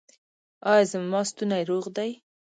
ایا زما ستونی روغ دی؟